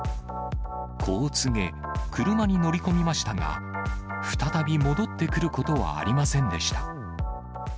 こう告げ、車に乗り込みましたが、再び戻ってくることはありませんでした。